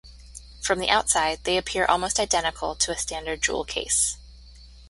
From the outside, they appear almost identical to a standard jewel case.